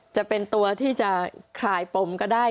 จะเป็นตัวที่จะคลายปมก็ได้